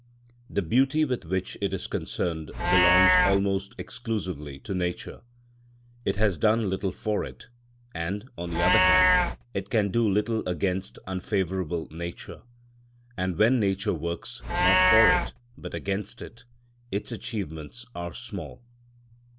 The beauty with which it is concerned belongs almost exclusively to nature; it has done little for it; and, on the other hand, it can do little against unfavourable nature, and when nature works, not for it, but against it, its achievements are small.